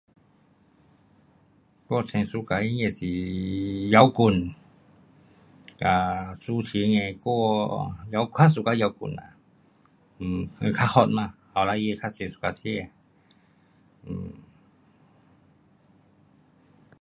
我最 suka 音乐是摇滚。啊，抒情的歌，完，较 suka 摇滚呐，呃，较 hot 嘛，年轻儿较多 suka 这。